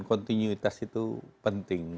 kontinuitas itu penting